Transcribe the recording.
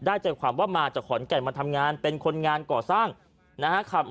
ใจความว่ามาจากขอนแก่นมาทำงานเป็นคนงานก่อสร้างนะฮะ